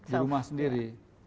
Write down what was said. di rumah sendiri